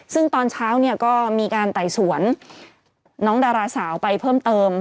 ซึ่งตอนเช้าเนี่ยก็มีการไต่สวนน้องดาราสาวไปเพิ่มเติม